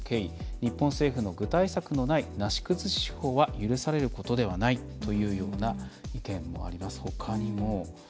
日本政府の具体策のないなし崩し手法は許されることではないというような意見もあります。